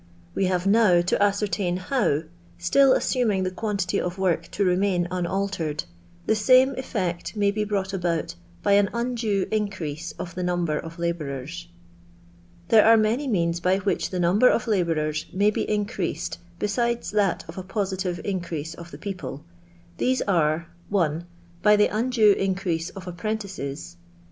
We have now to ascer tain how, still assuming the quantity of work to remain unaltered, the same cH'ect may be brought about by au undue iticrease of the number of labom efs. There are many means by which the number of labourers may be increased besides that of a positive increase of the people. These are — 1. By the undue increase of apprentices.